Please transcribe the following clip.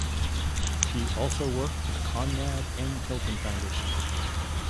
She also worked for the Conrad N. Hilton Foundation.